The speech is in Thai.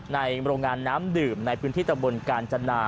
โรงงานน้ำดื่มในพื้นที่ตะบนกาญจนา